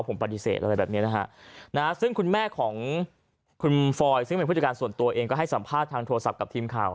ผมปฏิเสธอะไรแบบนี้นะฮะซึ่งคุณแม่ของคุณฟอยซึ่งเป็นผู้จัดการส่วนตัวเองก็ให้สัมภาษณ์ทางโทรศัพท์กับทีมข่าว